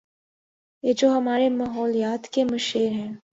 یہ جو ہمارے ماحولیات کے مشیر ہیں۔